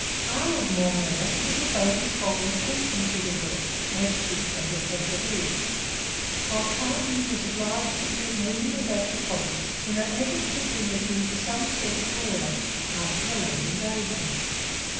Arnold, moreover, could devote his whole attention to the work, makeshift as it had to be; while Carleton was obliged to keep moving about the province in an effort to bring it into some sort of order after the late invasion.